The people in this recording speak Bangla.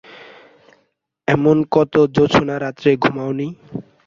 এমন কত জ্যোৎস্নারাত্রে ঘুমোই নি।